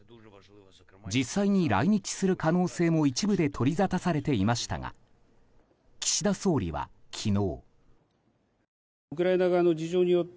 実際に来日する可能性も一部で取りざたされていましたが岸田総理は昨日。